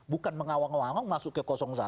bukan mengawang awang masuk ke satu